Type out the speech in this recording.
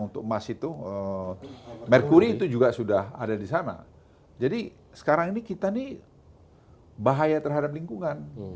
untuk emas itu merkuri itu juga sudah ada di sana jadi sekarang ini kita nih bahaya terhadap lingkungan